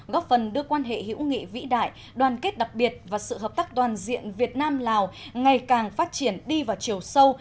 góp phần đưa quan hệ hữu nghị vĩ đại đoàn kết đặc biệt và sự hợp tác toàn diện việt nam lào ngày càng phát triển đi vào chiều sâu